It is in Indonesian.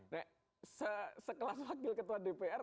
nah sekelas wakil ketua dpr